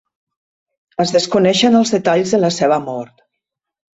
Es desconeixen els detalls de la seva mort.